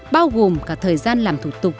bao gồm cả thời gian làm thủ tục